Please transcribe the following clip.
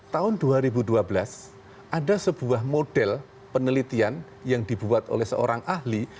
tahun dua ribu dua belas ada sebuah model penelitian yang dibuat oleh seorang ahli